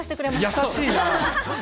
優しいな。